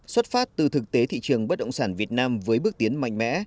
xuất phát từ thực tế thị trường bất động sản việt nam với bước tiến mạnh mẽ